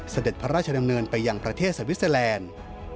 เสด็จพระราชดำเนินไปยังประเทศสวิสเตอร์แลนด์